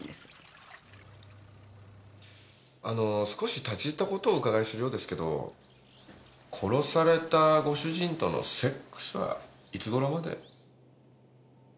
あの少し立ち入った事をお伺いするようですけど殺されたご主人とのセックスはいつ頃まで？